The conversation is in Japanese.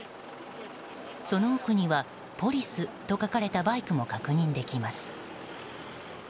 その奥には、ＰＯＬＩＣＥと書かれたバイクも確認できます。